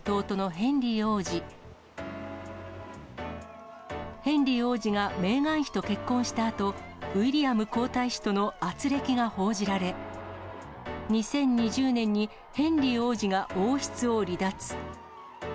ヘンリー王子がメーガン妃と結婚したあと、ウィリアム皇太子とのあつれきが報じられ、２０２０年にヘンリー王子が王室を離脱。